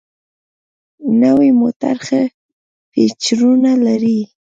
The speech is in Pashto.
نوي موټر ښه فیچرونه لري.